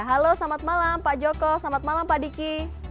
halo selamat malam pak joko selamat malam pak diki